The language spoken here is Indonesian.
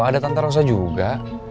ada tantarosa juga